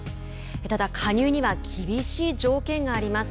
加入には厳しい条件があります。